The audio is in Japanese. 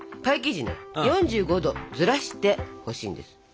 パイ生地ね４５度ずらしてほしいんです。